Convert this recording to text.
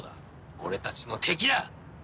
俺たちの敵だ！